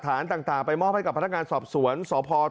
โทรศัพท์โทรศัพท์โทรศัพท์โทรศัพท์